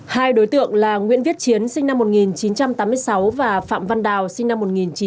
hai đối tượng là nguyễn viết chiến sinh năm một nghìn chín trăm tám mươi sáu và phạm văn đào sinh năm một nghìn chín trăm tám mươi